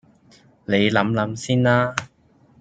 你諗諗先啦